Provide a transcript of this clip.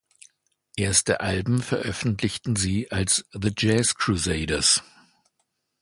Erste Alben veröffentlichten sie als The Jazz Crusaders.